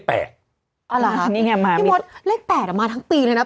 อ๋อเหรอพี่วดเลข๘อ่ะมาทั้งปีเลยนะ